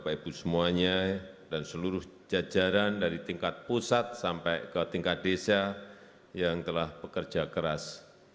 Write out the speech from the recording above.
bapak ibu semuanya dan seluruh jajaran dari tingkat pusat sampai ke tingkat desa yang telah bekerja keras